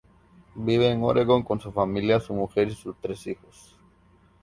Vive en Oregón con su familia: su mujer y sus tres hijos.